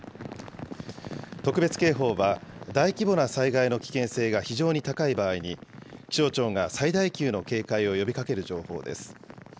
特別警報は、大規模な災害の危険性が非常に高い場合に、気象庁が最大級の警戒を呼びかける情報です。